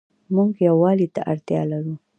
مونږ يووالي ته اړتيا لرو